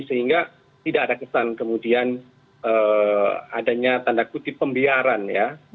sehingga tidak ada kesan kemudian adanya tanda kutip pembiaran ya